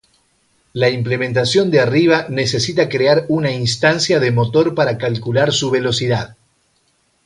La implementación de arriba necesita crear una instancia de Motor para calcular su velocidad.